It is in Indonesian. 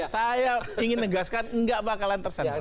saya ingin negaskan tidak bakalan tersandarang